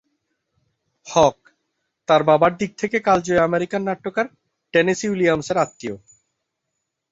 হক, তার বাবার দিক থেকে কালজয়ী আমেরিকান নাট্যকার টেনেসি উইলিয়ামসের আত্মীয়।